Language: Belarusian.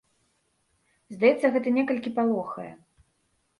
Здаецца, гэта некалькі палохае.